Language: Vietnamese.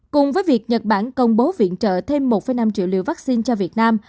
cùng với việc nhật bản công bố viện trợ thêm một năm triệu liều vaccine cho việt nam